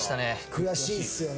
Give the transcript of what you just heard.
悔しいっすよね。